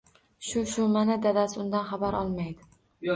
Shu-shu, mana, dadasi undan xabar olmaydi